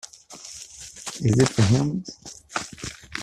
Is it for humans?